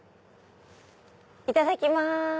いただきます。